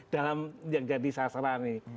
dalam yang jadi sasaran ini